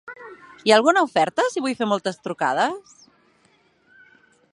Hi ha alguna oferta si vull fer moltes trucades?